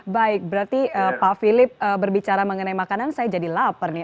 baik berarti pak philip berbicara mengenai makanan saya jadi lapar nih